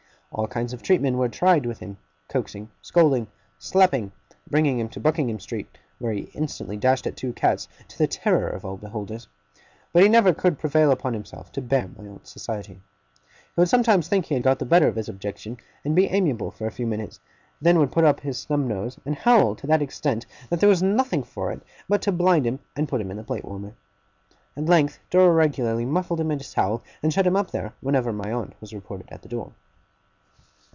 All kinds of treatment were tried with him, coaxing, scolding, slapping, bringing him to Buckingham Street (where he instantly dashed at the two cats, to the terror of all beholders); but he never could prevail upon himself to bear my aunt's society. He would sometimes think he had got the better of his objection, and be amiable for a few minutes; and then would put up his snub nose, and howl to that extent, that there was nothing for it but to blind him and put him in the plate warmer. At length, Dora regularly muffled him in a towel and shut him up there, whenever my aunt was reported at the door.